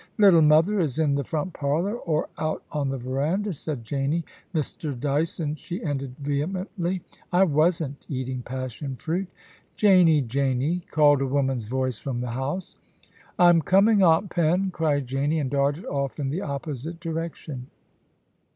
'Little mother is in the front parlour, or out on the verandah,' said Janie. * Mr. Dyson,' she ended vehemently, * I wasn^t eating passion fruit.' * Janie, Janie,' called a woman's voice from the house. ' I'm coming. Aunt Pen,' cried Janie, and darted off in the opposite direction.